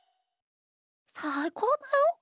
さいこうだよ！